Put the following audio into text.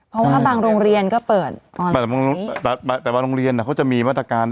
เพราะว่าบางโรงเรียนก็เปิดแต่บางโรงเรียนเขาจะมีมาตรการ